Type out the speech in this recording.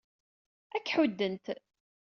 Ad k-ḥuddent.